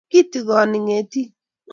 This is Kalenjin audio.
kitigoni ngetik